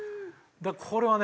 これはね